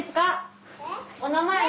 お名前。